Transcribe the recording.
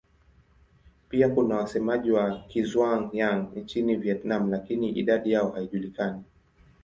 Pia kuna wasemaji wa Kizhuang-Yang nchini Vietnam lakini idadi yao haijulikani.